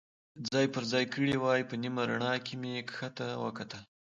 ځای پر ځای کړي وای، په نیمه رڼا کې مې کښته ته وکتل.